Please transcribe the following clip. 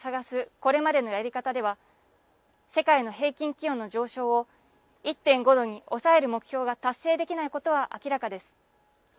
これまでのやり方では世界の平均気温の上昇を１．５度に抑える目標が達成できないことは明らかです。